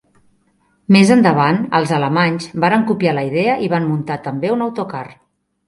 Més endavant, els alemanys varen copiar la idea i van muntar també un autocar.